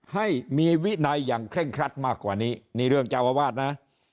ให้มีวินัยอย่างเคร่งครัดมากกว่านี้นี่เรื่องเจ้าอาวาสนะ